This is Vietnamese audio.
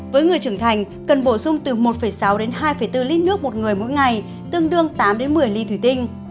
với người trưởng thành cần bổ sung từ một sáu đến hai bốn lít nước một người mỗi ngày tương đương tám một mươi ly thủy tinh